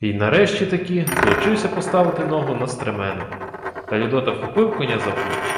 Й нарешті-таки зловчився поставити ногу на стремено. Та Людота вхопив коня за вузду.